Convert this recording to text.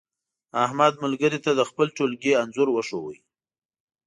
احمد ملګري ته د خپل ټولگي انځور وښود.